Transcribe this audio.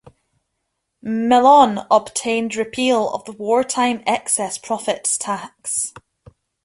Mellon obtained repeal of the wartime excess profits tax.